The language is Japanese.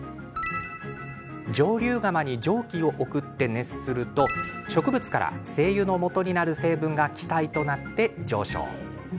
蒸留釜に蒸気を送って熱すると植物から精油のもとになる成分が気体となって上昇。